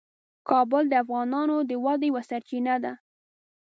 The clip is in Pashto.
کابل د افغانانو د ودې یوه سرچینه ده.